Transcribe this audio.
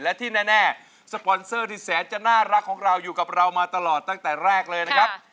และที่แน่สปอนเซอร์ที่แสนจะน่ารักของเราอยู่กับเรามาตลอดตั้งแต่แรกเลยนะครับ